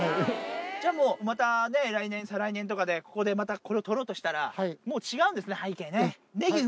じゃあもう、またね、来年、再来年とかで、ここでまたこれを取ろうとしたら、もう違うんですね、背景ね。